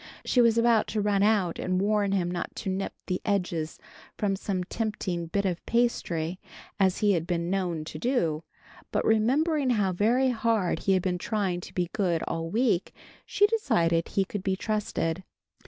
She was about to run out and warn him not to nip the edges from some tempting bit of pastry, as he had been known to do, but remembering how very hard he had been trying to be good all week, she decided he could be trusted.